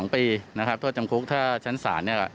๒ปีนะครับโทษจำคุกถ้าชั้นศาล